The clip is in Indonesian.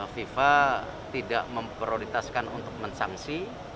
fifa tidak memprioritaskan untuk mensangsi